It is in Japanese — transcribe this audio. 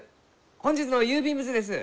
本日の郵便物です。